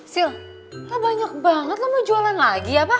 sil lo banyak banget lo mau jualan lagi ya